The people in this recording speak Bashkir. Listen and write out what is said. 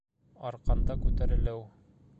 Арҡанда күтәрелеү